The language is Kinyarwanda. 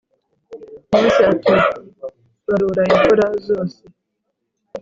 Mose ati barura imfura zose